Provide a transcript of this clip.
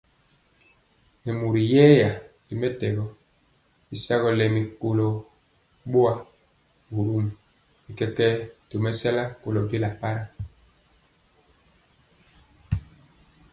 Nɛ mori yɛya ri mɛtɛgɔ y sagɔ lɛmi kora boa, borom bi kɛkɛɛ tomesala kolo bela para.